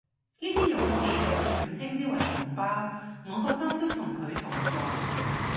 呢啲勇士就算唔稱之為同胞，我個心都同佢同在